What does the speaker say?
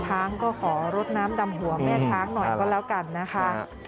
ช้างก็ขอรดน้ำดำหัวแม่ช้างหน่อยก็แล้วกันนะคะ